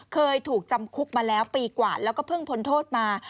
เคยถูกจำคุกมาแล้วปีกว่าแล้วก็เพิ่งพ้นโทษมา